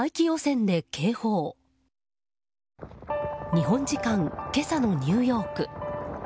日本時間今朝のニューヨーク。